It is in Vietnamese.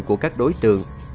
của các đối tượng